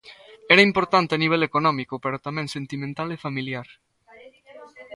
Era importante a nivel económico pero tamén sentimental e familiar.